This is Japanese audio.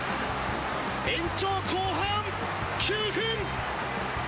延長後半、９分。